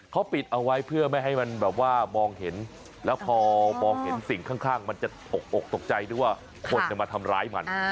เขาปิดเอาไว้เพื่อไม่ให้มันแบบว่ามองเห็นแล้วพอมองเห็นสิ่งข้างมันจะตกอกตกใจด้วยว่าคนจะมาทำร้ายมัน